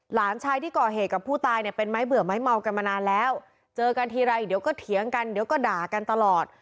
หลานชายที่ก่อเหตุกับผู้ตายเนี่ยเป็นไม้เบื่อไม้เมากันมานานแล้วเจอกันทีไรเดี๋ยวก็เถียงกันเดี๋ยวก็ด่ากันตลอด